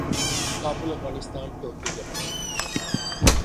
Kabul Afghanistan Tokyo Japan